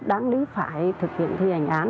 đáng lý phải thực hiện thi hành án